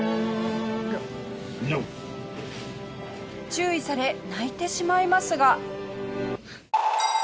注意され泣いてしまいますが。